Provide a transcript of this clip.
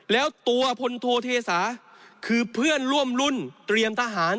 แล้วตัวพลโทเทศาคือเพื่อนร่วมรุ่นเตรียมทหาร